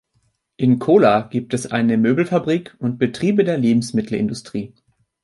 In Kola gibt es eine Möbelfabrik und Betriebe der Lebensmittelindustrie.